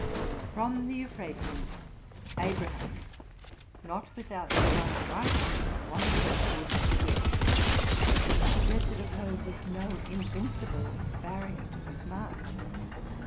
From the Euphrates, Abraham, not without divine guid ance, wanders towards the west. The desert opposes no invincible barrier to his march.